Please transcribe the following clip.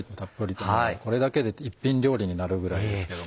これだけで一品料理になるぐらいですけども。